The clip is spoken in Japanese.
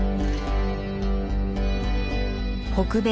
北米